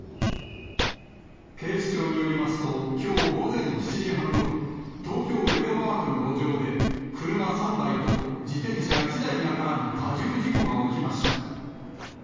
警視庁によりますと、きょう午前７時半ごろ、東京・江戸川区の路上で、車３台と自転車１台が絡む多重事故が起きました。